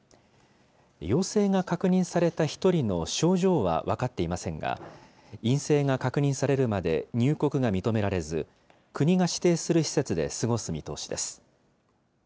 陽性が確認された１人の症状は分かっていませんが、陰性が確認されるまで入国が認められず、国が指定する施設で過ごす見通しです。